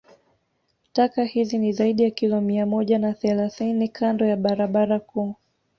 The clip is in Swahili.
Taka hizi ni zaidi ya kilo mia moja na thelasini kando ya barabara kuu